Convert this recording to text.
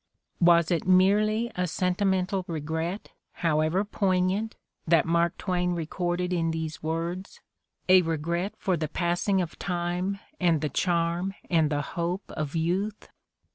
Was it merely a sentimental regret, however poignant, that Mark Twain recorded in these words, a regret for 26 The Candidate for Life 27 the passing of time and the charm and the hope of youth?